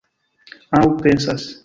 Aŭ pensas.